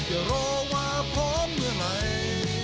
จะรอว่าพร้อมเมื่อไหร่